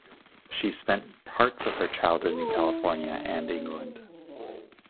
She spent parts of her childhood in California and England.